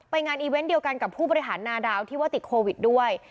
งานอีเวนต์เดียวกันกับผู้บริหารนาดาวที่ว่าติดโควิดด้วย